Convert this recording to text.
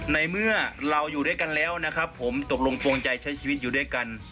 ในเมื่อเราอยู่ด้วยกันแล้วนะครับผมตกลงปวงใจใช้ชีวิตอยู่ด้วยกัน